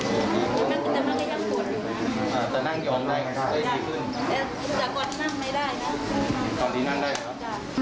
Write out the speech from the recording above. มันมาข้างหลังนี่มันพุกมันอาจจะ